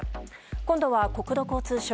今度は国土交通省。